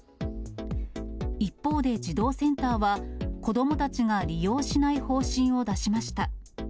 一方で児童センターは、子どもたちが利用しない方針を出しました。